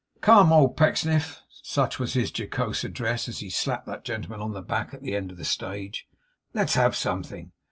'Come, old Pecksniff!' Such was his jocose address, as he slapped that gentleman on the back, at the end of the stage 'let's have something!